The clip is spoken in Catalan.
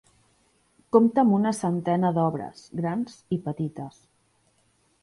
Compta amb una centena d'obres, grans i petites.